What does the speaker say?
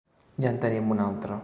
Ja en tenim un altre.